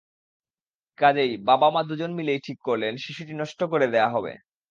কাজেই বাবা-মা দু জন মিলেই ঠিক করলেন, শিশুটি নষ্ট করে দেওয়া হবে।